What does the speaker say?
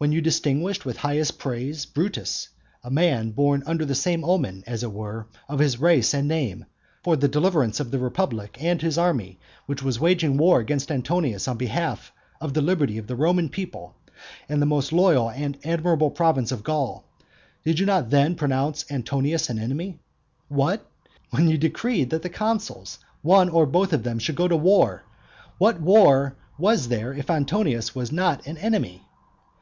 when you distinguished with the highest praises Brutus, a man born under some omen, as it were, of his race and name, for the deliverance of the republic, and his army, which was waging war against Antonius on behalf of the liberty of the Roman people, and the most loyal and admirable province of Gaul, did you not then pronounce Antonius an enemy? What? when you decreed that the consuls, one or both of them, should go to the war, what war was there if Antonius was not an enemy?